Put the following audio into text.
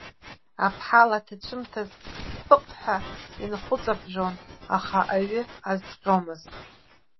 Аԥҳал аҭацәымҭаз, пыҟ ҳәа инхәыҵаԥжәон, аха аҩы азҭҟьомызт.